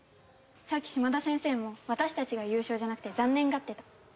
さっき島田先生も私たちが優勝じゃなくて残念がってた。